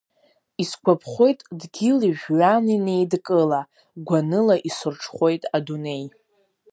Исгәаԥхоит дгьыли-жәҩани неидкыла, гәаныла исырҽхәоит адунеи.